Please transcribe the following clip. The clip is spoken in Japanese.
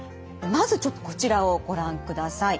まずちょっとこちらをご覧ください。